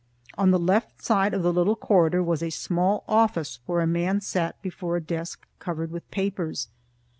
On the left side of the little corridor was a small office where a man sat before a desk covered with papers.